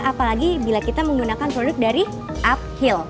apalagi bila kita menggunakan produk dari upkill